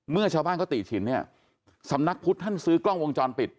เมื่อชาวบ้านเขาตีฉินเนี่ยสำนักพุทธท่านซื้อกล้องวงจรปิด